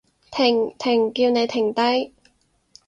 停！停！叫你停低！